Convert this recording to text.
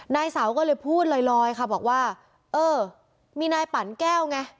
นายเสาก็เลยพูดลอยค่ะบอกว่าเออมีนายปั่นแก้วไง